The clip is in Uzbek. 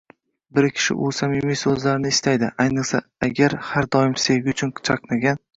Bir kishi u samimiy so'zlarini istaydi, ayniqsa, agar, har doim sevgi uchun chanqagan